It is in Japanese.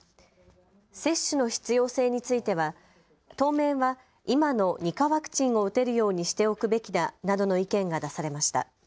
接種の必要性については当面は今の２価ワクチンを打てるようにしておくべきだなどの意見が出されました。